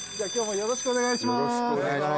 よろしくお願いします。